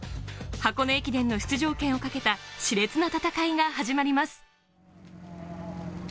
箱根駅伝の出場権を懸けた、熾烈な戦いが始まります。